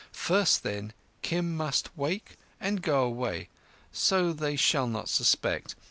First, then, Kim must wake and go away, so that they shall not suspect.